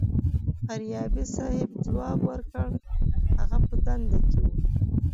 فاریابي صیب ځواب ورکړ هغه په دنده کې و.